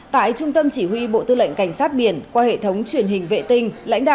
tại trung tâm chỉ huy bộ tư lệnh cảnh sát biển qua hệ thống truyền hình vệ tinh